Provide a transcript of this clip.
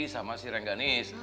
sama si rengganis